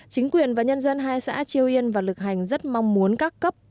chính quyền và nhân dân hai xã triều yên và lực hành rất mong muốn các cấp